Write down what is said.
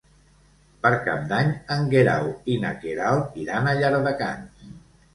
Per Cap d'Any en Guerau i na Queralt iran a Llardecans.